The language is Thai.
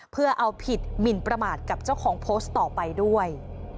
เพื่อเอาผิดหมินประมาทกับเจ้าของโพสต์ต่อไปด้วย